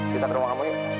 kita ke rumah kamu yuk